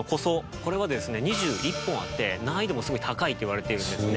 これはですね２１本あって難易度もすごい高いっていわれてるんですね。